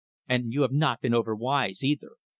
And you have not been over wise either.